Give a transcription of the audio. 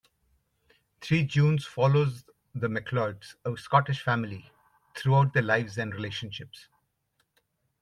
"Three Junes" follows the McLeods, a Scottish family, throughout their lives and relationships.